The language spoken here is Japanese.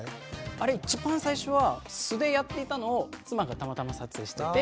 あれ一番最初は素でやっていたのを妻がたまたま撮影してて。